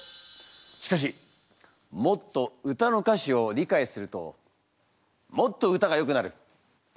しかしもっと歌の歌詞を理解するともっと歌がよくなる。